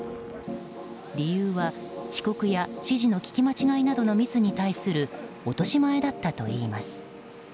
理由は、遅刻や指示の聞き間違いなどのミスに対する落とし前だったといいます。